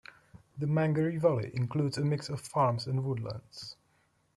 The Margaree Valley includes a mix of farms and woodlands.